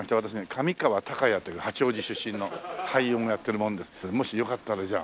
上川隆也という八王子出身の俳優もやってる者ですけどもしよかったらじゃあ。